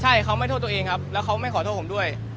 ใช่เขาไม่โทษตัวเองครับแล้วเขาไม่ขอโทษผมด้วย